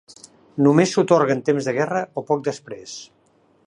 Només s'atorga en temps de guerra o poc després.